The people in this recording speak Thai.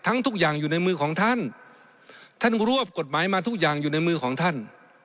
ทุกอย่างอยู่ในมือของท่านท่านรวบกฎหมายมาทุกอย่างอยู่ในมือของท่าน